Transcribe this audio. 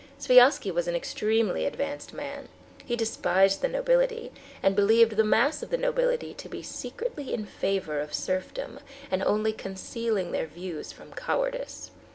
Sviazhsky was an extremely advanced man. He despised the nobility, and believed the mass of the nobility to be secretly in favor of serfdom, and only concealing their views from cowardice.